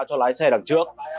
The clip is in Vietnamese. và cho lái xe đằng trước